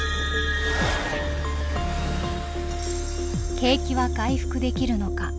景気は回復できるのか。